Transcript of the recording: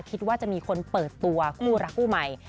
คิดว่าจะมีคนเปิดตัวคู่รักคู่ใหม่